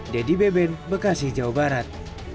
dedy beben bekasi jawa barat